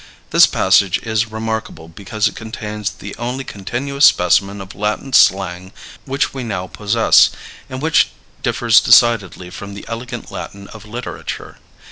This passage is remarkable because it contains the only continuous specimen of Latin slang which we now possess, and which differs decidedly from the elegant Latin of literature.